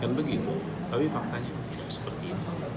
kan begitu tapi faktanya tidak seperti itu